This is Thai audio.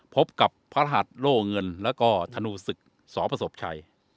พบกับพระทหารโล่เงินแล้วก็ธนูศึกสอปศพชัย